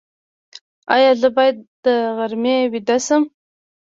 ایا زه باید د غرمې ویده شم؟